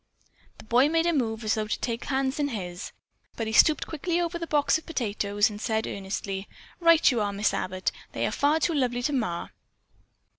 The boy made a move as though to take the hands in his. But he stooped quickly over the box of potatoes and said earnestly: "Right you are, Miss Abbott. They are far too lovely to mar."